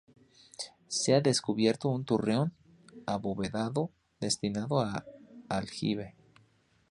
Se ha descubierto un torreón abovedado destinado a aljibe.